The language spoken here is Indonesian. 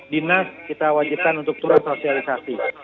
dinas terwajibkan untuk turun sosialisasi